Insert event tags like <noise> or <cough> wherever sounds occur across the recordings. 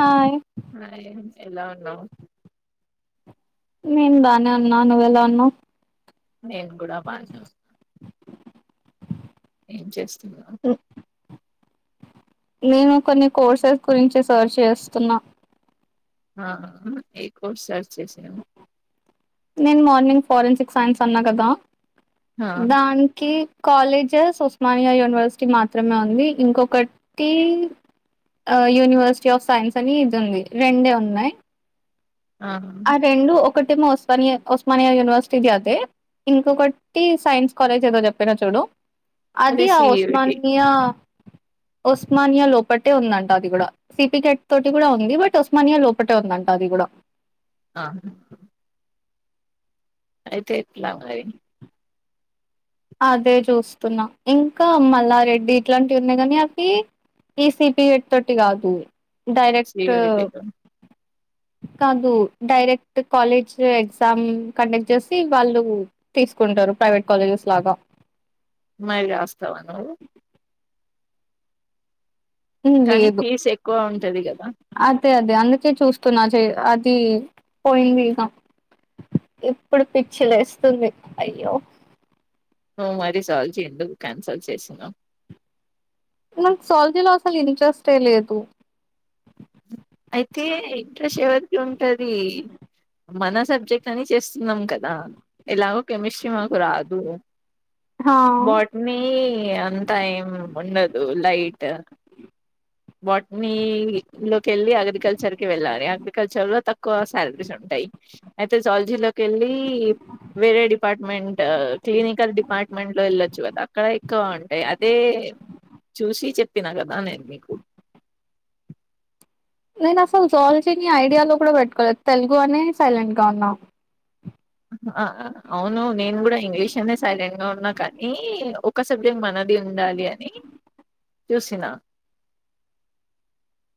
Hi అ ఎలా ఉన్నావ్ నేను బానే ఉన్నా నువ్వెలా ఉన్నావు నేను కూడా బాగా చస్తాను <unintelligible> ఏం చేస్తున్నవ్ నేను కొన్ని కోర్సెస్ గురించి సర్చ్ చేస్తున్నా ఏకో సార్చ్ చేస <unintelligible> నేను మార్నింగ్ ఫారెన్సిక్ సైన్స్ అన్నా కదా ఆ దానికి కాలేజెస్ ఉస్మానియా యూనివర్సిటీ మాత్రమే ఉంది ఇంకొకటి ఆ యూనివర్సిటీ ఆఫ్ సైన్స్ అని ఇది ఉంది రెండే ఉన్నాయి ఆ రెండు ఒకటేమో ఉస్మానియా ఉస్మానియా యూనివర్సిటీది అదే ఇంకొకటి సైన్స్ కాలేజ్ ఏదో చెప్పిన చూడు అదే అది సిఇటి ఒస్మాన్యాయా ఉస్మానియా లోపటే ఉందంట అది కూడా సిపికెట్ తోటి కూడా ఉంది బట్ ఉస్మానియా లోపటే ఉందంట అది కూడా కుడ ఆ అయితే ఎట్లా మరి అదే చూస్తున్నా ఇంకా మల్లారెడ్డి ఇట్లాంటివి ఉన్నాయి కాని అవి ఈసిపిహెట్ తోటి కాదు డైరెక్ట్ సిఇటిలో కాదు డైరెక్ట్ కాలేజ్ ఎగ్జామ్ కండక్ట్ చేసి వాళ్ళు తీసు కుంటరు ప్రైవేట్ కాలేజెస్ లాగా మ రా్యాస్ <unintelligible> తవాను కానీ ఫీజ్ ఎక్కువ ఉంటది కదా అంతే అదే అందుకే చూస్తున్నా అది పోయిందిక ఇప్పుడు పిచ్చిలేస్తుంది అయ్యో ఉం అది సాల్వ్ చేయద్దు క్యాన్సల్ చేసినాం మన సాల్వ్ చేలో అసలు ఇంట్రెస్టే లేదు అయితే ఇంట్రెస్ట్ ఎవరికి ఉంటది మన సబ్జెక్ట్ అని చేస్తున్నాం కదా ఎలాగో కెమిస్ట్రీ మాకు రాదు హా బాట్నీ అంతా ఏం ఉండదు లైట్ బోట్ని లో తక్కువ శాలరీస్ ఉంటాయి అయితే సాల్వ్ జీ లోకి వెళ్ళి వేరే డిపార్ట్మెంట్ క్లినికల్ డిపార్ట్మెంట్ లో వెళ్ళ చు కదా అక్కడ ఎక్కువ ఉంటే అదే చూసి చెప్పినా కదా నేను మీకు నేను అసలు సాల్వ్ చేయని ఐడియాలో కూడా పెట్టుకోలేదు తెలుగు అనే సైలెంట్గా ఉన్నా అవును నేను కూడా ఇంగ్లీష్ అనే సైలెంట్ గా ఉన్నా కానీ ఒక సబ్జెక్ట్ మన అది ఉండాలి అని చూసినా <unintelligible>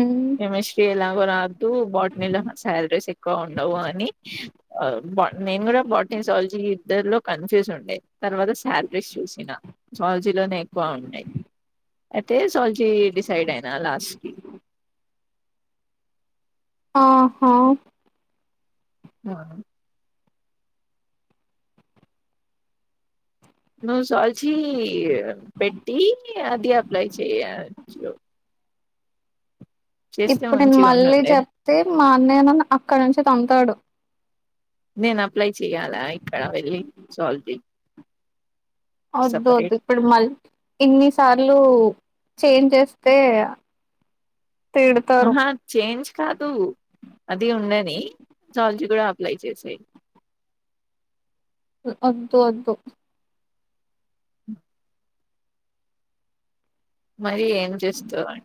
ఉహు. కెమిస్ట్రీ ఎలాగో రాద్దు బాటినీలో శాలరీస్ ఎక్కువ ఉండవు అని బ నేను కూడా బాటని సాలజీ ఇద్దరు లో కన్ఫ్యూజ్ ఉండే తర్వాత శాలరీస్ చూసిన సాలజీలోనే ఎక్కువ ఉన్నాయి అయితే సాలజీ డిసైడ్ అయినా లాస్ట్ కి ఆహా ఆ ను సాలజీ పెట్టి అది అప్లై చేయఛు ఇప్పుడు నేను మంచిగా మళ్ళీ ఉండుండే చెప్తే మా అన్నయ నన్ను అక్కడి నుంచి తన్ తాడు నేను అప్లై చెయ్యాలా ఇక్కడ వెళ్ళి సల్వ్ జి వద్దు వద్దు ఇప్పుడు మల్ ఇన్ని సార్లు చేంజ్ చేస్తే తిడతారు. ఆహా చేంజ్ కాదు అది ఉన్నది <unintelligible> కూడా చేసేయ్ వద్దు వద్దు మరి ఏం చేస్తా అ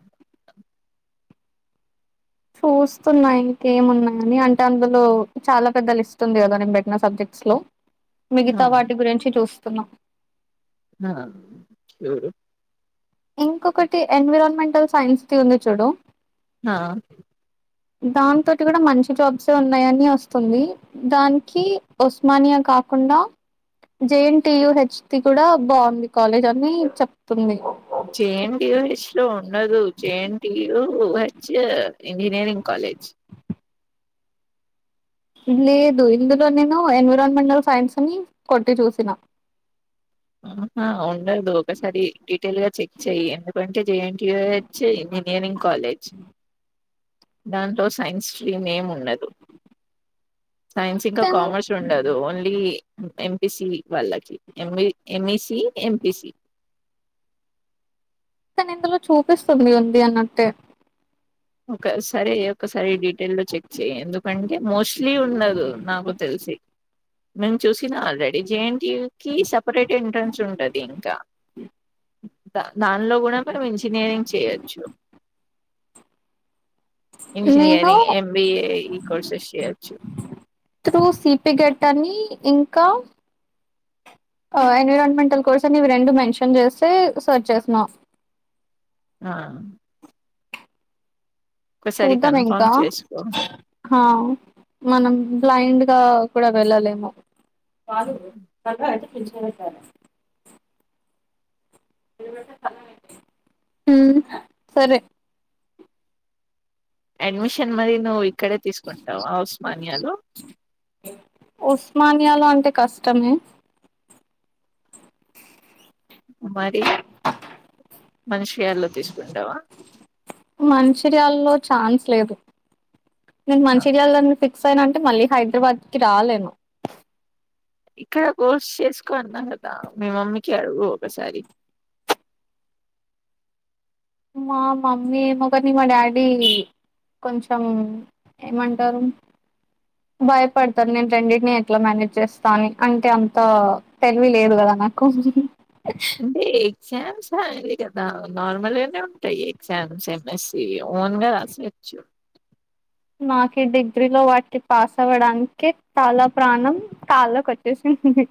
ఫో చూస్తున్నాయి ఇంకేమున్నాయని అంటే అందులో చాలా పెద్ద లిస్ట్ ఉంది కదా నేను పెట్టిన సబ్జెక్ట్స్ లో ఆ! మిగతా వాటి గురించి చూస్తున్నాం ఆ ఎవరు ఇంకొకటి ఎన్విరాన్మెంటల్ సైన్స్ తి ఉంది చూడు ఆ దాని తోటి కూడా మంచి జాబ్స్ ఉన్నాయని వస్తుంది దానికి ఉస్మానియా కాకుండా జేఎన్టీయూ హెచ్టి కూడా బాగుంది కాలేజ్ అని చెప్తుంది జేఎన్‌టీయూహెచ్‌లో ఉండదు. జేఎన్‌టీయూహెచ్ ఇంజినీరింగ్ <inaudible> లేదు ఇందులో నేను ఎన్విరాన్మెంటల్ సైన్స్ అని కొట్టి చూసినా ఆహ ఒకసారి డీటెయిల్ గా చెక్ చెయ్యి ఎందుకంటే జేఎన్టీయూహెచ్ ఇంజనీరింగ్ కాలేజ్ <inaudible> దాంట్లో సైన్స్ స్ట్రీమ్ ఏం ఉండదు సైన్స్ ఇంకా కానీ కామర్స్ ఉండదు ఓన్లీ ఎంపీసీ వాళ్ళకి ఎం సి ఎంపీసీ ఇందులో చూపిస్తుంది ఉంది అన్నట్టే ఒక సరే ఒకసారి చెక్ చెయ్ ఎందుకంటే మోస్ట్లీ ఉండదు నాకు తెలిసి నేను చూసిన ఆల్రెడీ జేఎన్టీయూ కి సపరేట్ ఎంట్రన్స్ ఉంటది ఇంకా దానిలో కూడా మనం ఇంజనీరింగ్ చేయొచ్చు నేను ఇంజనీరింగ్ ఎంబిఏ ఈ కోర్సెస్ చేయచ్చు తనీ ఇంకా ఎన్విరాన్మెంటల్ కోర్స్ అని ఇవి రెండు మెన్షన్ చేస్తే సర్చ్ చేసిన <inaudible> ఆ ఒకసారి చూద్దాం ఇంకా కన్ఫర్మ్ చేసుకో మనం బ్లైండ్ కూడా వెళ్ళలేము ఉమ్ సరే అడ్మిషన్ మరి నువ్వు ఇక్కడే తీసుకుంటావా ఉస్మానియాలో ఉస్మానియాలో అంటే కష్టమే మరి మంచిర్యాలలో తీసుకుంటావా మంచిర్యాలో ఛాన్స్ లేదు నేను ఆ, మంచిర్యాలని పే అంటే మళ్ళీ హైదరాబాద్ కి రాలేను ఇక్కడ కోర్స్ చేసుకో అన్నా కదా మీ మమ్మీకి అడుగు ఒకసారి <inaudible> మా మమ్మీ ఏమోగానీ మా డాడీ కొంచెం ఏమంటారు భయపడతారు నేను రెండింటినీ ఎట్లా మేనేజ్ చేస్తా అని అంటే అంత తెలివి లేదు కదా నాకు అంటే శమ్సంగ్ అది కదా నార్మల్ గానే ఉంటాయి శామ్సంగ్ ఎస్సి ఓన్ గా రాసుడే అచ్చ నాకు డిగ్రీ లో వాటికి పాస్ అవ్వడానికి తల ప్రాణం కాళ్ళకి వచ్చేసి ఉంది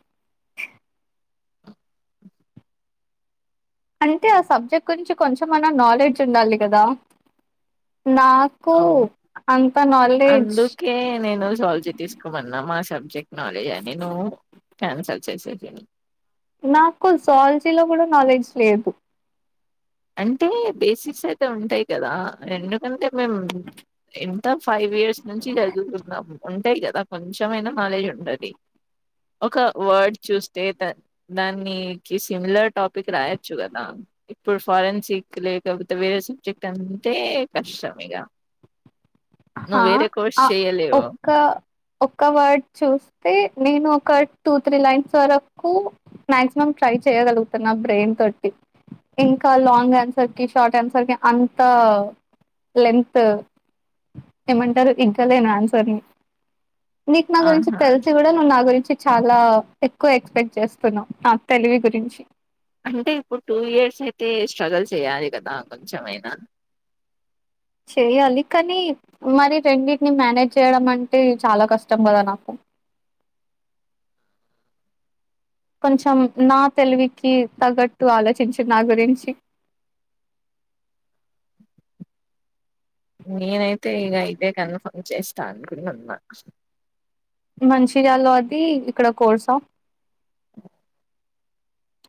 అంటే ఆ సబ్జెక్ట్ గురించి కొంచెంమన్నా నాలెడ్జ్ ఉండాలి కదా నాకు అవును అంత నాలెడ్జ్ అందుకే నేను జవాలజీ తీసుకోమన్న మా సబ్ మా సబ్జెక్ట్ అని నువ్వు క్యాన్సల్ చేసినావు నాకు జాలజీలో కూడా నాలెడ్జ్ లేదు అంటే బేసిక్స్ అయితే ఉంటాయి కదా ఎందుకంటే మేము ఎంత ఫైవ్ ఇయర్స్ నుంచి చదువుతున్నా ఉంటాయి కదా కొంచెమనా నాలెడ్జ్ ఉంటది ఒక వర్డ్ చూస్తే దాని సిమిలర్ టాపిక్ రాయచ్చు కదా ఇప్పుడు ఫారెన్సిక్ లేకపోతే వేరే సబ్జెక్ట్ అంటే కష్టం ఇగ హ నువ్వు వేరే కోర్స్ ఆ చేయలేవు ఒక్క ఒక్క వర్డ్ చూస్ అతే నేను ఒక టూ త్రీ లైన్స్ వరకు మాక్సిమం ట్రై చేయ్యగలుగుతున్నా బ్రెయిన్ థర్టీ ఇంకా లాంగ్ ఆన్సర్ కి షార్ట్ ఆన్సర్ కి అంత లెంత్ ఏమంటారు ఇగ్గలేను ఆన్సర్ ని నీకు నా గురించి ఆహా తెలిసి కూడా నా గురించి చాలా ఎక్కువ ఎక్స్పెక్ట్ చేస్తున్నాం నా తెలివి గురించి అంటే ఇప్పుడు టూ ఇయర్స్ అయితే స్ట్రగుల్ చేయాలి కదా కొంచెమైనా సో నైస్ చేయ్యాలి కానీ మరి రెండింటిని మేనేజ్ చేయడం అంటే చాలా కష్టం కదా నాకు నో నైస్ కొంచెం నా తెలివికి తగ్గట్టు ఆలోచించి నా గురించి ఉ హు నేనైతే ఇగ ఇదే కన్ఫర్మ్ చేస్తా అనుకున్నా మంచిరాల్లో అది ఇక్కడ కోర్స ఉ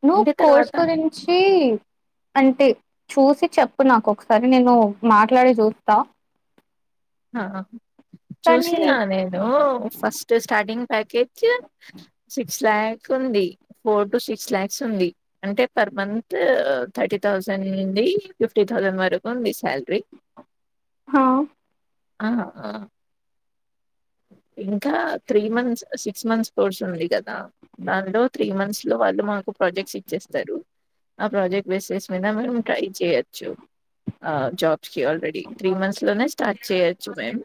నువ్వు కోర్స్ గురించి అంటే చూసి చెప్పు నాకు ఒకసారి నేను మాట్లాడీ చూస్తా ఆ కానీ చూసిన నేను first starting package six lakhs ఉంది ఫోర్ టు సిక్స్ లాక్స్ ఉంది అంటే పర్ మంత్ థర్టీ థౌసండ్ తాటి తసెండ్ నుండి ఫిఫ్టీ థౌజండ్ వరకు ఉంది శాలరీ హ ఆ హు ఆ ఇంకా three months six months course ఉంది కదా దానిలో త్రీ మంత్స్ లో వాళ్ళు మాకు ప్రాజెక్ట్స్ ఇచ్చేస్తారు ఆ ప్రాజెక్ట్ బేసిస్ మీద మేము ట్రై చేయొచ్చు ఆ జాబ్స్ కి ఆల్రెడీ త్రీ మంత్స్ లోనే చెయ్యొచ్చు మేము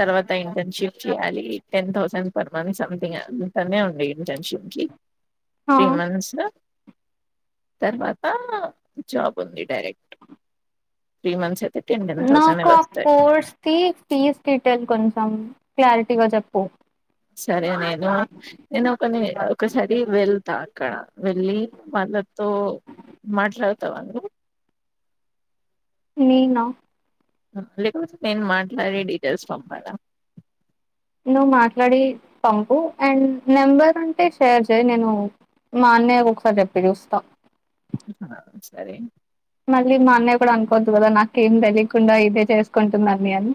తర్వాత ఇంటర్ షిప్ చేయాలి ten thousand per month something అంతానే ఉండంది ఇంటర్ షిప్ కి హా త్రీ మంత్స్ తర్వాత జాబ్ ఉంది డైరెక్ట్ త్రీ మంత్స్ అ నాకు ఆ కోర్స్ కి ఫీజ్ డీటెయిల్ కొంచం ఆమ్ క్లారిటీగా చెప్పు సరే నేను నేనుని ఒకసారి వెళ్తా అక్కడ వెళ్ళి మాటలతో ఓ మాట్లాడతావా నువ్ నేన లేకపోతే నేను మాట్లాడి డీటెయిల్స్ పంపాలా నువ్వు మాట్లాడి పంపు అండ్ నెంబర్ ఉంటే షేర్ చేయి నేను మా అన్నయ్య ఒకసారి చెప్పి చూస్తా <inaudible> ఆ సరే మళ్ళీ మా అన్నయ్య కూడా అనుకోవద్దు కదా నాకేం తెలియకుండా ఇదే చేసుకుంటుందని అని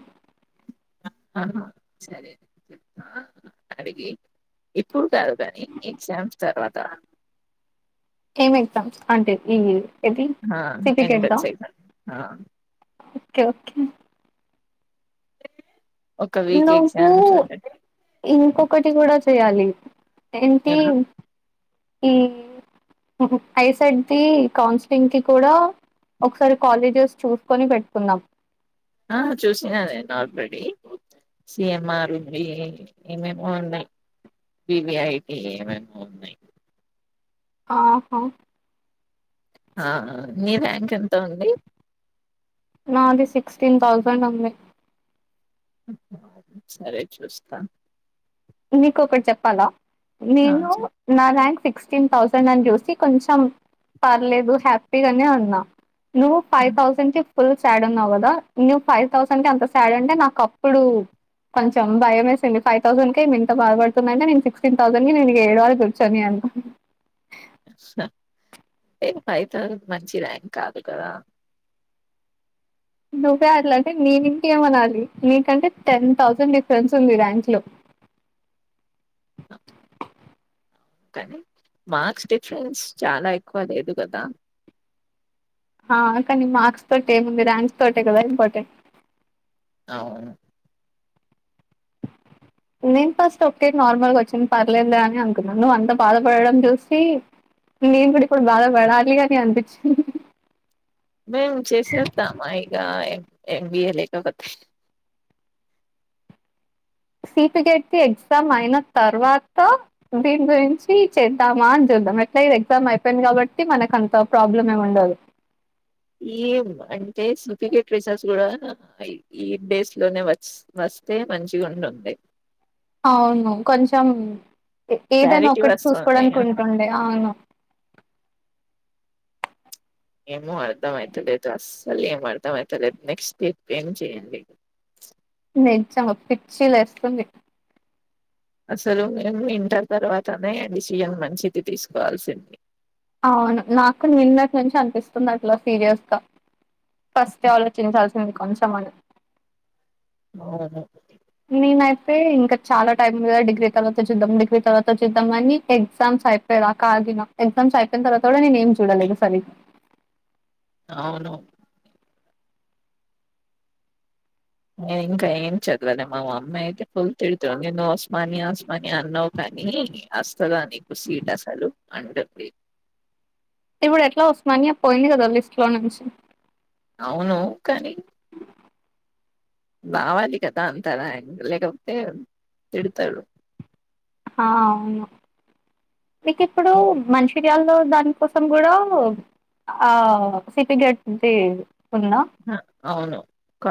ఆ సరే అడిగి ఇప్పుడు కాదు కాని ఎగ్జామ్స్ తర్వాత ఏం ఎగ్జామ్స్ అంటే ఈ ఏది సిఫిగేట్ దా ఎంట్రన్స్ ఎగ్జామ్ కేకే ఒక వీక్ నువ్వు ఎగ్జామ్స్ ఉంటాయి ఇంకొ ఒకటి కూడా చేయాలి ఏంటి ఈ ఐ సెట్ ది కౌన్సిలింగ్కి కూడా ఒకసారి కాలేజెస్ చూసుకొని పెట్టుకుందాం ఆ చూసినా నేను ఆల్రెడీ సిఎంఆర్ ఉన్నాయ్ ఏమేమో ఉన్నాయి పీవీఐటి ఏమేమో ఉన్నాయి ఆహ ఆ నీ ర్యాంక్ ఎంత ఉంది నాది సిక్స్టీన్ థౌజండ్ ఉంది సరే చూస్తా నీకు ఒకటి చెప్పాలా ఆ నేను నా ర్యాంక్ సిక్ సిక్స్టీన్ థౌసండ్ అని చూసి కొంచెం పర్లేదు హ్యాపీగానే ఉన్నా నువ్ ఫై చెప్తా. తౌసండ్ ఫుల్ సాడ్ ఉన్నావు కదా నువు ఫైవ్ థౌసండ్ కి ఎంత సాడ్ అంటే నాకు అప్పుడు కొంచెం భయం వేసింది ఫైవ్ థౌజండ్ ఇంత బాధపడుతుందంటే నేను సిక్స్టీన్ థౌసండ్ కి నేను ఏడవాలి కూర్చొని అనీ చూస్న ఫైవ్ తౌసండ్ మంచి ర్యాంక్ కాదు కదా <inaudible> నువ్వే అట్లా అంటే నేను ఇంకేం అనాలి నీకంటే టెన్ థౌసండ్ డిఫరెన్స్ ఉంది ర్యాంక్ లో <inaudible> కానీ మార్క్స్ డిఫరెన్స్ చాలా ఎక్కువ లేదు కదా ఆ కానీ మార్క్స్ తోటేముంది ర్యాంక్స్ తోటే కదా ఇంపార్టెంట్ అవును <inaudible> నేను ఫస్ట్ ఓకె నార్మల్గా వచ్చింది పర్లేదులే అని అనుకున్న నువ్వు అంత బాధపడడం చూసి నేను కూడా ఇప్పుడు బాధ పడాలి అని అనిపించింది మేము చేసేద్దామా ఇగ ఏంబిఎ లేక సిపిగెట్ కి ఎగ్జామ్ అయిన తర్వాత దీని గురించి చేద్దామా అని చెప్పి ద్దా ఎట్లా ఎగ్జామ్ అయిపోయింది కాబట్టి మనకు అంత ప్రాబ్లం ఏమి ఉండదు ఏం అంటే సిపికెట్ రిజల్ట్స్ గూడా ఈ డేస్ లోనే వస్ వస్ వస్తే మంచిగుంటుంది అవును కొంచెం ఏదన్న క్లారిటీ ఒకటి వస్తుంది. చూసుకోవడాని ఆహా! కుంటుండే అవును ఏమో అర్థం అయితలేదు అస్సలు ఏం అర్థం అయితలేదు నెక్స్ట్ డే ఏం చేయండి <inaudible> నిజంగా పిచ్చిలేస్తుంది అసలు మేము ఇంటర్ తర్వాతనే డిసిషన్ మంచిది తీసుకోవాల్సింది అవును నాకు నిన్నటి నుంచి అనిపిస్తుంది అట్లా సీరియస్గా ఫస్ట్ ఆలోచించాల్సింది కొంచెం అని అవును నేనైతే ఇంకా చాలా టైం ఉంది కదా డిగ్రీ తర్వాత చూద్దాం డిగ్రీ తర్వాత చూద్దాం మని ఎగ్జామ్ అయిపోయేదాక ఆగిన ఎగ్జామ్స్ అయిపోయిన తర్వాత కూడా నేను ఏం చూడలేదు సరిగ్గా అవును నేన్ ఇంకా ఏం చదవలే మా మమ్మి అయితే ఫుల్ తిడ్తుంది నువ్ ఉస్మానియా ఉస్మానియా అన్నవ్ గా నీ అస్తదా నీకు సీట్ అసలు అంటుంది ఇప్పుడు ఎట్లా ఉస్మానియా పోయింది గదా లిస్ట్ లో నుంచి అవును కానీ రావాలి కదా అంత రాంక్ లేకపోతే తిడతడు ఆ అవును మీకు ఇప్పుడు మం చిర్యాల్లో దాని కోసం గూడా ఆ సిపిగేట్ది హా అవును క